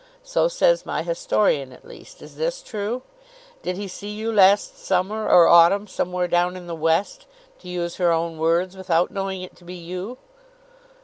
So says my historian, at least. Is this true? Did he see you last summer or autumn, 'somewhere down in the west,' to use her own words, without knowing it to be you?"